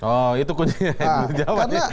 oh itu kuncinya